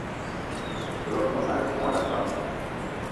O lot mmem- alou mona pam?